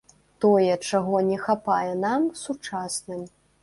Тое, чаго не хапае нам, сучасным.